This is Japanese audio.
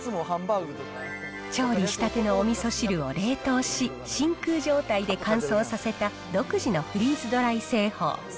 調理したてのおみそ汁を冷凍し、真空状態で乾燥させた独自のフリーズドライ製法。